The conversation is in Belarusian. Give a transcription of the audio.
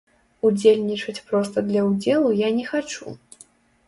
Удзельнічаць проста для ўдзелу я не хачу.